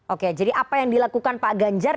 oke jadi apa yang dilakukan pak ganjar